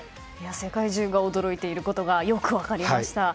世界中が驚いていることがよく分かりました。